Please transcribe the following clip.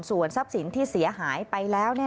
ส่วนทรัพย์สินที่เสียหายไปแล้ว